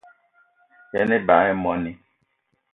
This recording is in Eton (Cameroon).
Yen ebag í moní